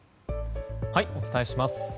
お伝えします。